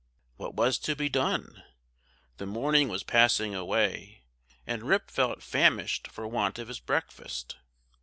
What was to be done? The morning was passing away, and Rip felt famished for want of his breakfast.